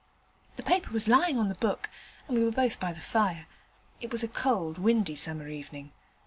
The paper was lying on the book and we were both by the fire; it was a cold, windy summer evening.